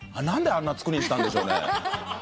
何であんな作りにしたんでしょうね？